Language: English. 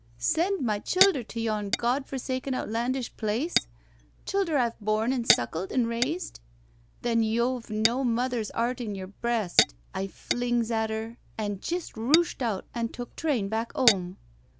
*' Send my childher to yon Gawd for saken outlandish place, childher I've bom an' suckled an' raised — then yo've no mother's 'eart in yer breast,' I flings at 'er and jist rooshed out and took train back 'ome.